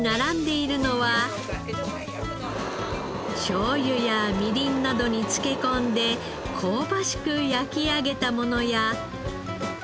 しょうゆやみりんなどに漬け込んで香ばしく焼き上げたものや。